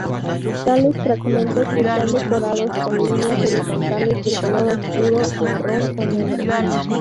Tales fragmentos están decorados con líneas horizontales de color oscuro, marrón o negro.